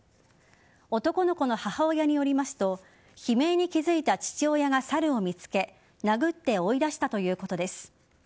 男の子の母親によりますと悲鳴に気付いた父親がサルを見つけ殴って追い出したということです。